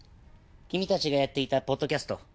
君たちがやっていたポッドキャスト